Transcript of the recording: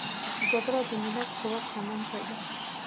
جګړه د ملت قوت له منځه وړي